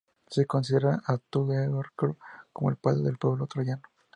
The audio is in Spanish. Se considera a Teucro como el padre del pueblo troyano.